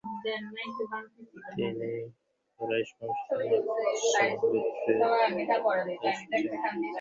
তিনি কুরাইশ বংশের মাখজুম গোত্রের সদস্য ছিলেন।